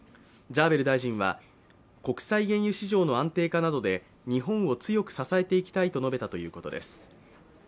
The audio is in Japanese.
ジャーベル大臣は国際原油市場の安定化などで日本を強く支えていきたいと述べたということです。